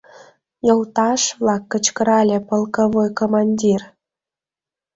— Йолташ-влак! — кычкырале полковой командир.